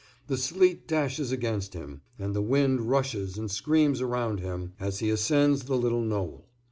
The sleet dashes against him, and the wind rushes and screams around him, as he ascends the little knoll.